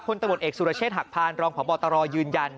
คนตะบดเอกสุรเชษฐ์หักพานรองผอบอตรอยืนยัน